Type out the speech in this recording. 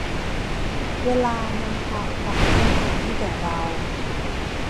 เวลานำพาโอกาสมากมายให้แก่เรา